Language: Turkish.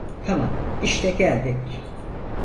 Tamam, işte geldik.